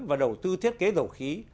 và đầu tư thiết kế dầu khí